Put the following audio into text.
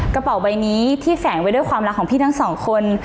กระเป๋าใบนี้ที่แฝงไว้ด้วยความรักของพี่ทั้งสองคน